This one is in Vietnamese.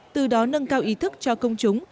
từ đó nâng cao ý thức cho công chúng